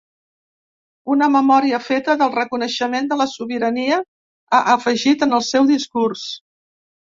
Una memòria feta del reconeixement de la sobirania, ha afegit en el seu discurs.